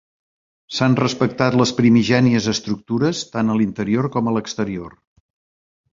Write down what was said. S'han respectat les primigènies estructures, tant a l'interior com a l'exterior.